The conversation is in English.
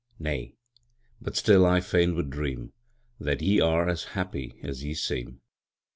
Nay but still I fain would dream That ye are happy as ye seem.